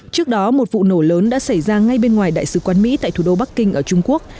trước đó một vụ nổ lớn đã xảy ra ngay bên ngoài đại sứ quán mỹ tại thủ đô bắc kinh ở trung quốc